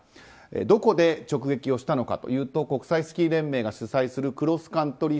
どこで直撃をしたのかというと国際スキー連盟が主催するクロスカントリー